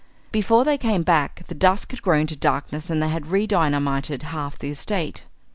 Before they came back, the dusk had grown to darkness, and they had redynamited half the estate.